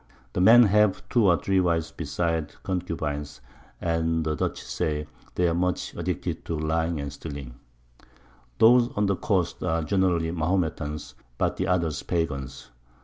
The Men have 2 or 3 Wives besides Concubines, and the Dutch say, they are much addicted to lying and stealing: Those on the Coast are generally Mahometans, but the others Pagans.